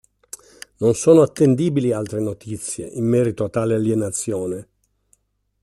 Non sono attendibili altre notizie in merito a tale alienazione.